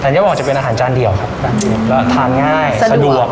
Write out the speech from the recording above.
แสนยอดวอกจะเป็นอาหารจานเดี่ยวครับแล้วทานง่ายสะดวก